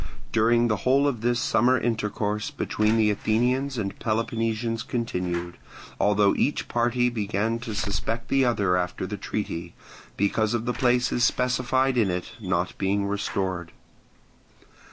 During the whole of this summer intercourse between the Athenians and Peloponnesians continued, although each party began to suspect the other directly after the treaty, because of the places specified in it not being restored.